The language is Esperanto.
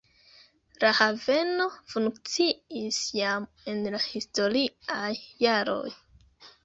La haveno funkciis jam en la historiaj jaroj.